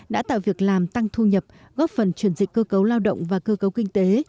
đã tạo việc làm tăng thu nhập góp phần chuyển dịch cơ cấu lao động và cơ cấu kinh tế